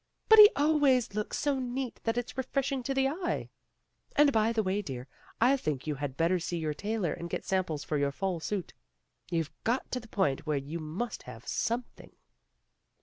But he always looks so neat that it's refreshing to the eye. And by the way, dear, I think you had better see your tailor and get samples for your fall suit. You've got to the point where you must have something."